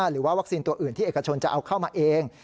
หรือว่าวัคซีนตัวอื่นที่เอกชนจะเอาเข้ามาเอง